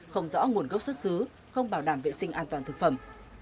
không rõ nguồn gốc xuất xứ không bảo đảm vệ sinh an toàn thực phẩm